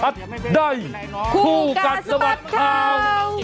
ได้คู่กัดสะบัดข่าว